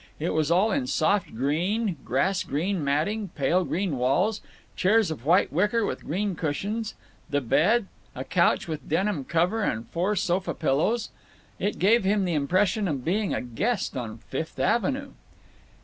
It was all in soft green—grass green matting, pale green walls, chairs of white wicker with green cushions; the bed, a couch with a denim cover and four sofa pillows. It gave him the impression of being a guest on Fifth Avenue.